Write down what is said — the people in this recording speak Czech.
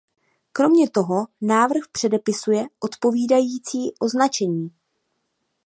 Kromě toho návrh předepisuje odpovídající označení.